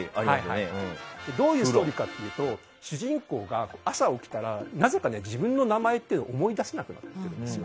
どういうストーリーかというと主人公が朝、起きたらなぜか自分の名前を思い出せなくなってるんですよ。